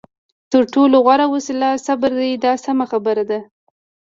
تر ټولو غوره وسله صبر دی دا سمه خبره ده.